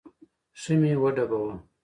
ښه مې وډباوه.